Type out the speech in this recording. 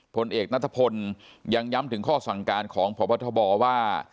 ผลเอกนัทพลยังย้ำถึงข้อสั่งการของพบทบว่า